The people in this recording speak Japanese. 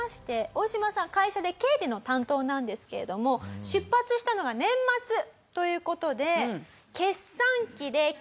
オオシマさん会社で経理の担当なんですけれども出発したのが年末という事で。